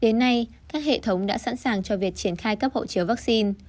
đến nay các hệ thống đã sẵn sàng cho việc triển khai cấp hộ chiếu vaccine